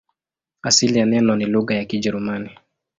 Asili ya neno ni lugha ya Kijerumani.